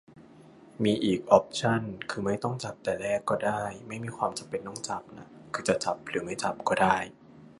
มีอีกออปชัน คือไม่ต้องจับแต่แรกก็ได้ ไม่มีความจำเป็นต้องจับน่ะ คือจะจับหรือไม่จับก็ได้